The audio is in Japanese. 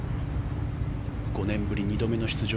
５年ぶり２度目の出場